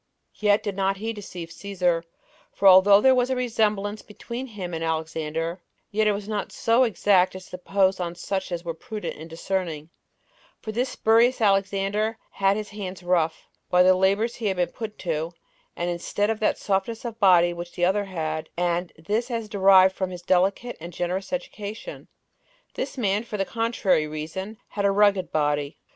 Yet did not he deceive Cæsar; for although there was a resemblance between him and Alexander, yet was it not so exact as to impose on such as were prudent in discerning; for this spurious Alexander had his hands rough, by the labors he had been put to and instead of that softness of body which the other had, and this as derived from his delicate and generous education, this man, for the contrary reason, had a rugged body.